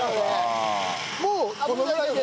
もうこのぐらいで。